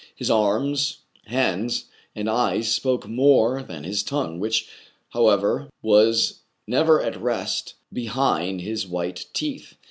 His arms, hands, and eyes spoke more than his tongue, which, how ever, was never at rest behind his white teeth.